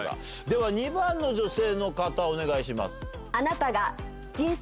では２番の女性の方お願いします。